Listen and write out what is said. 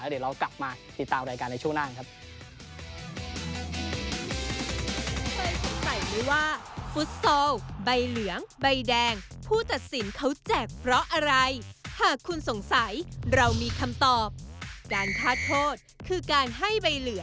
แล้วเดี๋ยวกลับมาติดตามรายการในช่วงหน้านะครับ